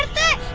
itu pak rt